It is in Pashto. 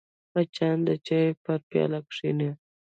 مچان د چای پر پیاله کښېني